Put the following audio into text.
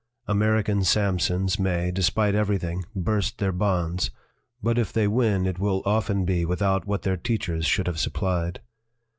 American Samsons may, despite everything, burst their bonds; but if they win it will often be without what their teachers should have supplied.